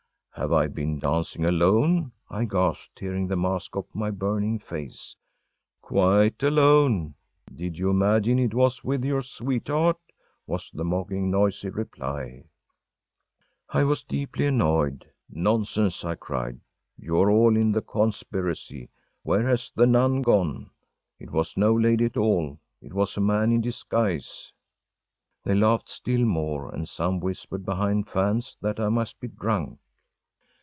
“Have I been dancing alone?‚ÄĚ I gasped, tearing the mask off my burning face. “Quite alone! Did you imagine it was with your sweetheart?‚ÄĚ was the mocking, noisy reply. I was deeply annoyed. ‚ÄúNonsense!‚ÄĚ I cried. “You are all in the conspiracy! Where has the nun gone? It was no lady at all, it was a man in disguise!‚ÄĚ They laughed still more, and some whispered behind fans that I must be drunk.